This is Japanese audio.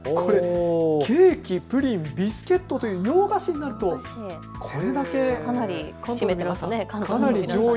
ケーキ、プリン、ビスケットという洋菓子になるとこれだけ、かなり占めていますね。